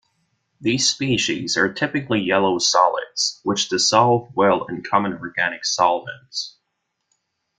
These species are typically yellow solids, which dissolve well in common organic solvents.